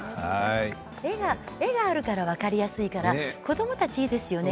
絵があるから分かりやすいから子どもたち、いいですよね。